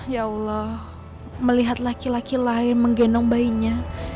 ya allah melihat laki laki lain menggendong bayinya